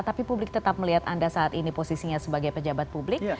tapi publik tetap melihat anda saat ini posisinya sebagai pejabat publik